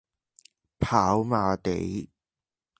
跑馬地